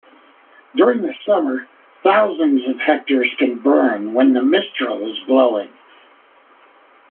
During the summer, thousands of hectares can burn when the mistral is blowing.